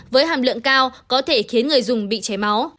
với hàm lượng cao có thể khiến người dùng bị cháy máu